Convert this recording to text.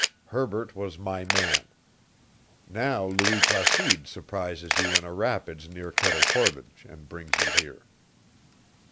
Herbert was my man. Now Louis Placide surprises you in a rapids near Kettle Portage and brings you here."